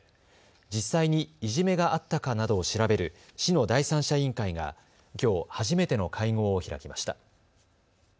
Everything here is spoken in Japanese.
実際にいじめがあったかなどを調べる市の第三者委員会がきょう初めての会合を開きました。